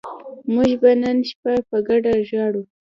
موږ به نن شپه په ګډه ژاړو